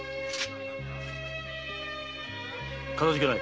かたじけない。